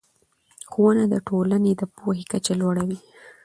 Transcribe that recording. ښوونه د ټولنې د پوهې کچه لوړه وي